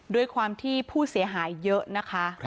ด้วยความที่ผู้เสียหายเยอะนะคะ